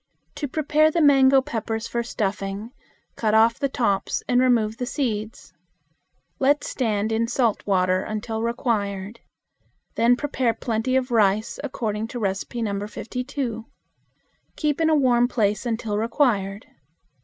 To prepare the mango peppers for stuffing, cut off the tops and remove the seeds. Let stand in salt water until required. Then prepare plenty of rice according to No. 52. Keep in a warm place until required.